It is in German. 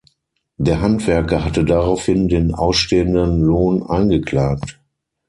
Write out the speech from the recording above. Der Handwerker hatte daraufhin den ausstehenden Lohn eingeklagt.